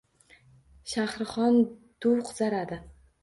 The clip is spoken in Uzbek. Shahrixon duv qizaradi.